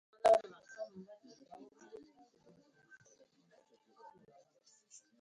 Optimization problems are often expressed with special notation.